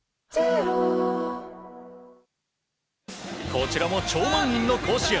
こちらも超満員の甲子園。